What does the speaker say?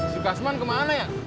si kasman kemana ya